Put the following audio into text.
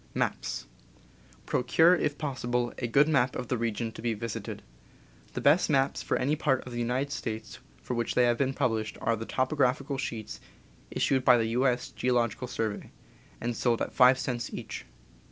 Procure, if possible, a good map of the region to be visited. The best maps for any part of the United ^ States for which they have been pub lished are the topographical sheets issued by the U. S. Geological Survey, and sold at five cents each.